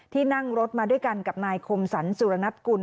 นั่งรถมาด้วยกันกับนายคมสรรสุรณัฐกุล